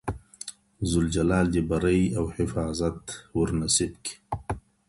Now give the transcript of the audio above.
ذوالجلال دي بری او حفاظت ور نصيب کړي!